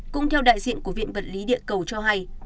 cũng theo đại diện của viện vật lý địa cầu cho hay